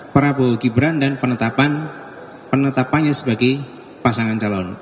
prabowo gibran dan penetapannya sebagai pasangan calon